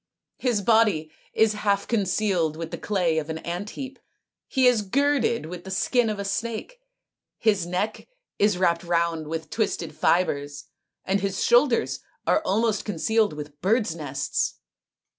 His body is half concealed with the clay of an ant heap ; he is girded with the skin of a snake ; his neck is wrapped round with twisted fibres ; and his shoulders are almost concealed with birds' nests."